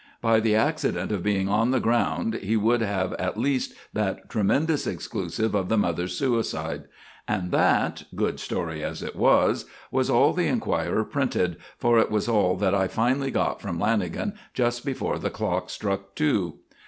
By the accident of being on the ground he would have at least that tremendous exclusive of the mother's suicide. And that good story as it was was all the Enquirer printed, for it was all that I finally got from Lanagan just before the clock struck two.